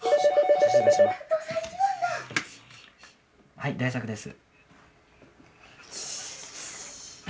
☎はい大作です。